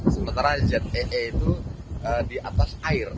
sementara zee itu di atas air